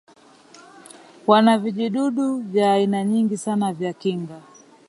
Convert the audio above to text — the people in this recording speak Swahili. wana vijidudu vya aina nyingi sana vya kinga